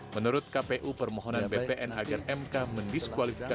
menurut kpu permohonan bpn agar mk mendiskualifikasi